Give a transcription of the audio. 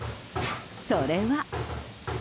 それは。